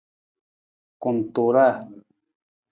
Kumtuuraa.